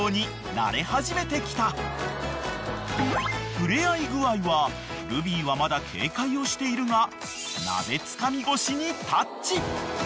［触れ合い具合はルビーはまだ警戒をしているが鍋つかみ越しにタッチ］